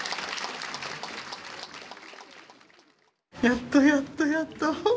やっとやっとやっと。